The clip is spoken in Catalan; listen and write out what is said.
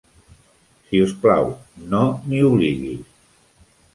Si us plau, no m'hi obliguis.